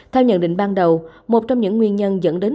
theo nhận định ban đầu một trong những nguyên nhân dẫn đến